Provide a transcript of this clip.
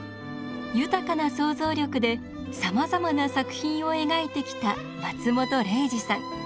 豊かな想像力でさまざまな作品を描いてきた松本零士さん。